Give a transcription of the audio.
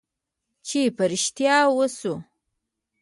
چې په رښتیا وشوه.